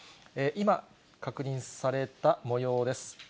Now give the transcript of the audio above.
今、確認されたもようです。